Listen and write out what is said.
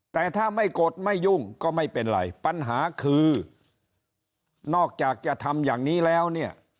แต่ถ้าไม่กดไม่ยุ่งก็ไม่เป็นไรปัญหาคือนอกจากจะทำอย่างนี้แล้วเนี่ย